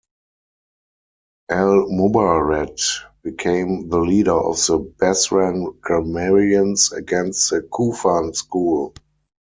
Al-Mubarrad became the leader of the Basran grammarians against the Kufan school.